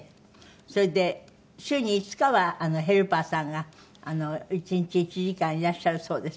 それで週に５日はヘルパーさんが１日１時間いらっしゃるそうですけど。